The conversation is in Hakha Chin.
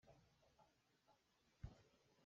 Zingka ah na sam na hriah lai.